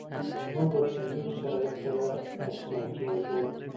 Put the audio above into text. مونږ له ټولنیزو شرایطو سره آشنا کیږو.